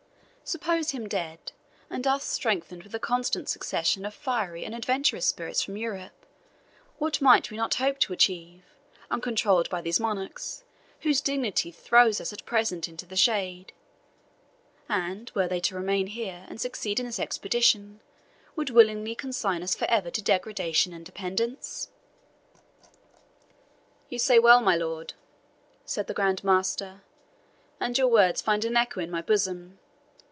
Suppose him dead, and us strengthened with a constant succession of fiery and adventurous spirits from Europe, what might we not hope to achieve, uncontrolled by these monarchs, whose dignity throws us at present into the shade and, were they to remain here, and succeed in this expedition, would willingly consign us for ever to degradation and dependence?" "You say well, my Lord Marquis," said the Grand Master, "and your words find an echo in my bosom.